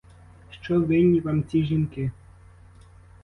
Що винні вам ці жінки?!